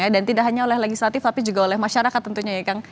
dan tidak hanya oleh legislatif tapi juga oleh masyarakat tentunya ya kang